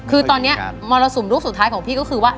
คือตอนนี้มรสุมลูกสุดท้ายของพี่ก็คือว่า